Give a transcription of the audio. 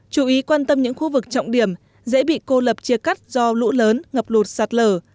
chú ý quan tâm những khu vực trọng điểm dễ bị cô lập chia cắt do lũ lớn ngập lụt sạt lở